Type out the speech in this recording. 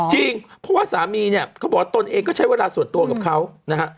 จริงเพราะว่าสามีเนี่ยเขาบอกว่าตนเองก็ใช้เวลาส่วนตัวกับเขานะฮะ